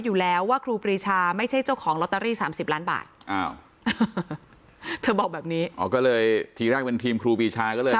อยู่แล้วว่าครูปรีชาไม่ใช่เจ้าของลอตเตอรี่๓๐ล้านบาทเธอบอกแบบนี้อ๋อก็เลยทีแรกเป็นทีมครูปีชาก็เลย